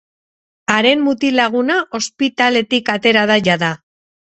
Haren mutil-laguna ospitaletik atera da jada.